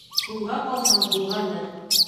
Һуңға ҡалһаң болғаныр.